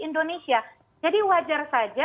indonesia jadi wajar saja